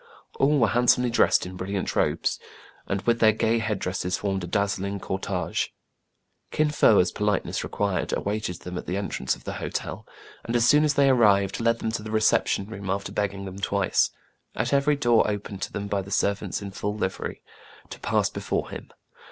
All were handsomely dressed in brilliant robes, and with their gay head dresses formed a dazzling cor tege. Kin Fo, as politeness required, awaited them at the entrance of the hotel, açd, as soon as they arrived, led them to the reception room, after beg ging them twice, at every door opened to them by the servants in full livery, to pass before him.